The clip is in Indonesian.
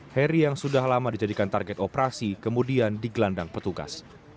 heri yang sudah lama dijadikan target operasi kemudian digelandang petugas